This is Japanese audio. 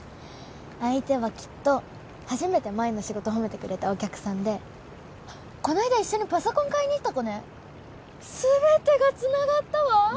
相手はきっと初めて麻衣の仕事褒めてくれたお客さんでこないだ一緒にパソコン買いに行った子ねすべてがつながったわ！